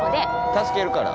助けるから！